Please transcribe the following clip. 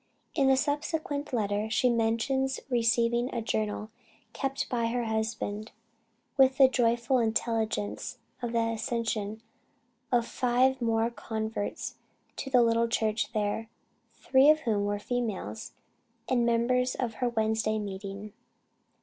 In a subsequent letter she mentions receiving a journal kept by her husband, with the joyful intelligence of the accession of five more converts to the little church there, three of whom were females, and members of her Wednesday meeting.